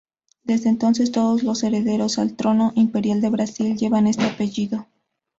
Desde entonces todo los herederos al Trono Imperial de Brasil llevan este apellido.